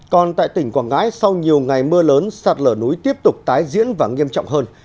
còn tại tỉnh quảng ngãi sau nhiều ngày mưa lớn sạt lở núi tiếp tục tái diễn và nghiêm trọng hơn